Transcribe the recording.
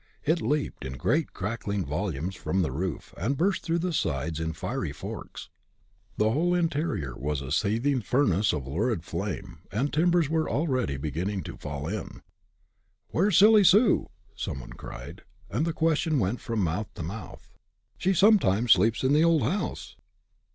It leaped in great crackling volumes from the roof, and burst through the sides in fiery forks. The whole interior was a seething furnace of lurid flame, and timbers were already beginning to fall in. "Where is Silly Sue?" some one cried, and the question went from mouth to mouth. "She sometimes sleeps in the old house."